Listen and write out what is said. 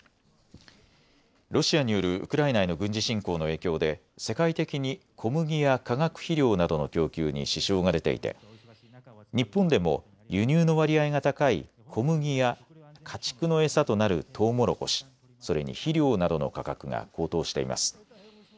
ロシアによるウクライナへの軍事侵攻の影響で世界的に小麦や化学肥料などの供給に支障が出ていて日本でも輸入の割合が高い小麦や家畜の餌となるトウモロコシ、それに肥料などの価格が高騰しています。